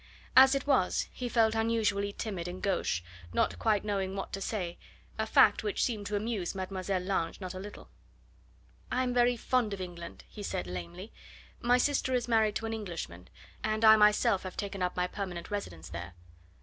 As it was, he felt unusually timid and gauche, not quite knowing what to say, a fact which seemed to amuse Mlle. Lange not a little. "I am very fond of England," he said lamely; "my sister is married to an Englishman, and I myself have taken up my permanent residence there."